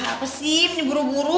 apa sih ini buru buru